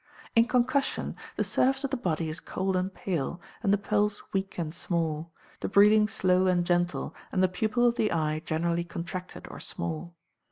In concussion, the surface of the body is cold and pale, and the pulse weak and small, the breathing slow and gentle, and the pupil of the eye generally contracted or small.